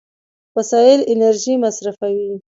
وسایل انرژي مصرفوي.